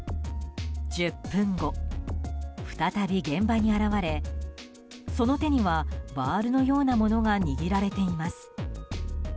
１０分後、再び現場に現れその手にはバールのようなものが握られています。